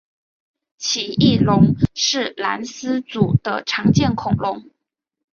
奇异龙是兰斯组的常见恐龙。